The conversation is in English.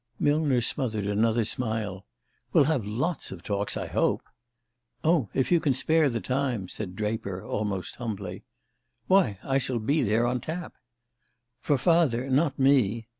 Millner smothered another smile. "We'll have lots of talks, I hope." "Oh, if you can spare the time !" said Draper, almost humbly. "Why, I shall be there on tap!" "For father, not me."